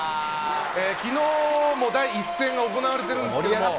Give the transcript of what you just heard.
きのうも第１戦が行われてるんですけども。